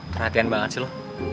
perhatian banget sih lo